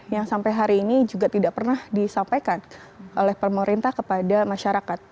yang sampai hari ini juga tidak pernah disampaikan oleh pemerintah kepada masyarakat